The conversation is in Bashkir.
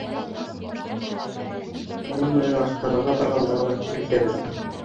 Уның менән ашханаға барғанда ғына күрешәбеҙ.